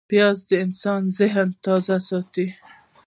پیاز د انسان ذهن تازه ساتي